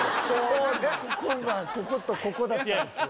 こうなこことここだったんですよ